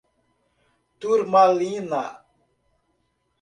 Turmalina